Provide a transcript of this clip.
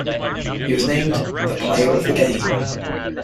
He was named the Player of the Game.